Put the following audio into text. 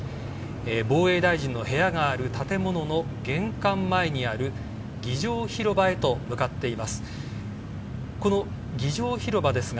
防衛大臣の部屋がある建物の玄関前にある儀仗広場へと向かっています。